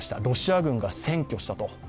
ロシア軍が占拠したと。